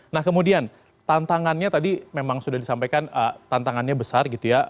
nah kemudian tantangannya tadi memang sudah disampaikan tantangannya besar gitu ya